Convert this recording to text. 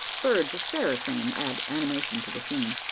Birds of fairer fame add animation to the scene.